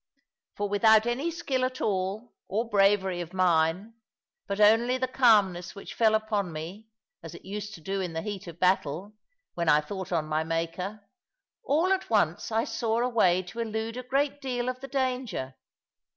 For without any skill at all or bravery of mine, but only the calmness which fell upon me, as it used to do in the heat of battle, when I thought on my Maker, all at once I saw a way to elude a great deal of the danger.